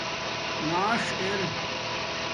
نݳݽ ار